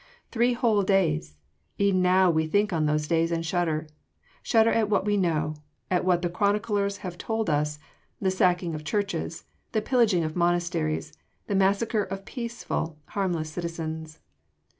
Three whole days! E’en now we think on those days and shudder shudder at what we know, at what the chroniclers have told us, the sacking of churches, the pillaging of monasteries, the massacre of peaceful, harmless citizens!